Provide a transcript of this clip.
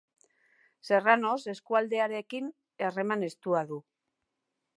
Serranos eskualdearekin harreman estua du.